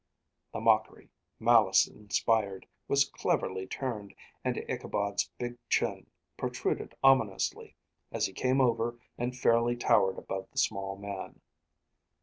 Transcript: The mockery, malice inspired, was cleverly turned, and Ichabod's big chin protruded ominously, as he came over and fairly towered above the small man.